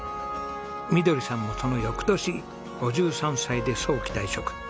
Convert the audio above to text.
みどりさんもその翌年５３歳で早期退職。